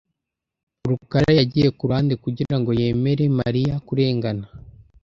rukara yagiye ku ruhande kugira ngo yemere Mariya kurengana .